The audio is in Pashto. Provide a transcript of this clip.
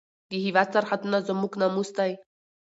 د هېواد سرحدونه زموږ ناموس دی.